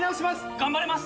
頑張ります！